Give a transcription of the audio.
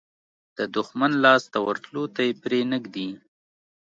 د دښمن لاس ته ورتلو ته یې پرې نه ږدي.